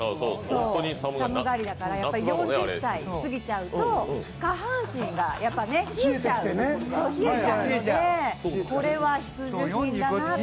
寒がりだから、４０歳過ぎちゃうと下半身が冷えちゃうのでこれは必需品だなって。